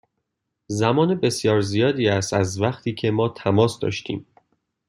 زمان بسیار زیادی است از وقتی که ما تماس داشتیم.